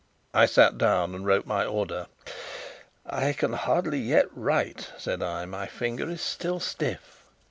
I sat down and wrote my order. "I can hardly yet write," said I; "my finger is stiff still."